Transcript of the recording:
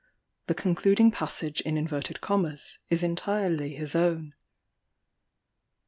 The concluding passage in inverted commas, is entirely his own.